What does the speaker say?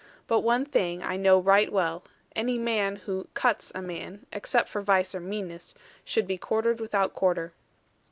But one thing I know right well; any man who 'cuts' a man (except for vice or meanness) should be quartered without quarter.